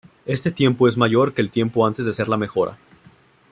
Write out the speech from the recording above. Este tiempo es mayor que el tiempo antes de hacer la mejora.